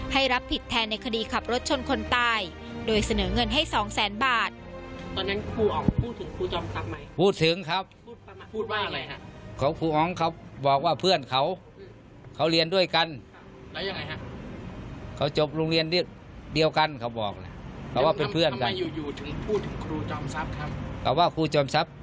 รับผิดแทนในคดีขับรถชนคนตายโดยเสนอเงินให้สองแสนบาท